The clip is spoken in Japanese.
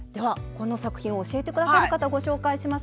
この作品を教えて下さる方ご紹介します。